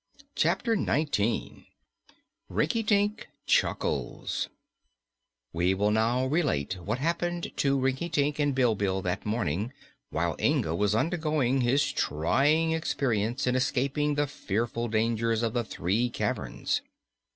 Chapter Nineteen Rinkitink Chuckles We will now relate what happened to Rinkitink and Bilbil that morning, while Inga was undergoing his trying experience in escaping the fearful dangers of the three caverns.